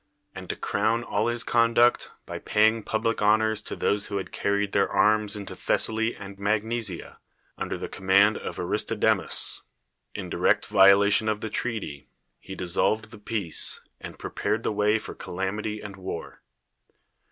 And to crown all his conduct, by paying public honors to those who had carried their arms into Thessaly and ^Magnesia, under the command of Aristodemus, in direct viola tion of the treaty, he dissolved the peace, and prepared the way for calamity and war.